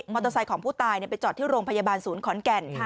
เตอร์ไซค์ของผู้ตายไปจอดที่โรงพยาบาลศูนย์ขอนแก่น